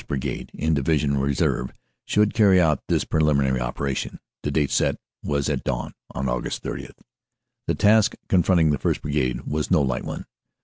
Brigade in Divisional Reserve should carry out this preliminary operation. The date set was at dawn on Aug. 30. "The task confronting the 1st. Brigade was no light one.